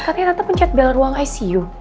katanya tata pencet bel ruang icu